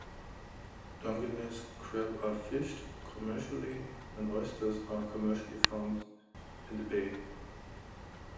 Dungeness crab are fished commercially, and oysters are commercially farmed in the bay.